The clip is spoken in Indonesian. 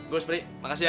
bos beri makasih ya